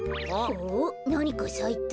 おっなにかさいた。